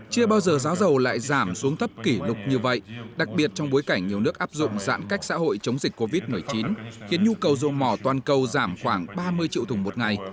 chưa bao giờ giá dầu lại giảm xuống thấp kỷ lục như vậy đặc biệt trong bối cảnh nhiều nước áp dụng giãn cách xã hội chống dịch covid một mươi chín khiến nhu cầu dầu mỏ toàn cầu giảm khoảng ba mươi triệu thùng một ngày